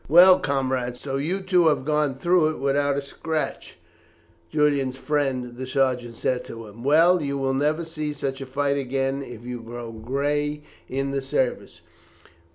"Well, comrade, so you too have gone through it without a scratch," Julian's friend, the sergeant, said to him. "Well, you will never see such a fight again if you grow gray in the service.